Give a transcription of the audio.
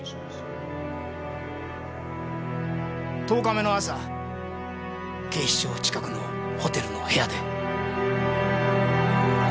十日目の朝警視庁近くのホテルの部屋で。